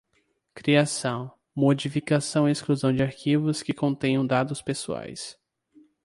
Criação, modificação e exclusão de arquivos que contenham dados pessoais.